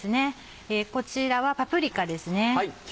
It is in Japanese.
こちらはパプリカですね。